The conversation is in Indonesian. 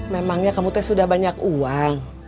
memangnya kamu teh sudah banyak uang